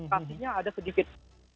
pastinya ada sedikit